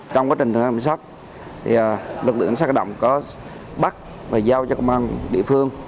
trong quá trình thử thách mỹ sách lực lượng cảnh sát cơ động có bắt và giao cho công an địa phương